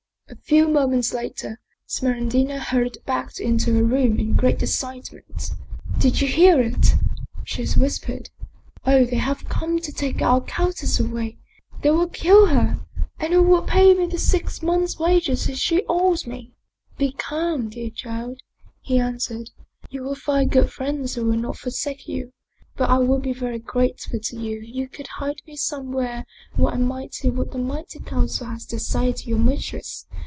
A few moments later, Smeraldina hurried back into her room in great excitement. " Did you hear it ?" she whis pered. " Oh ! they have come to take our countess away ! They will kill her ! and who will pay me the six months' wages she owes me? "" Be calm, dear child," he answered. " You will find good friends who will not forsake you. But I will be very grateful to you if you could hide me somewhere where I might hear what the Mighty Council has to say to your mistress.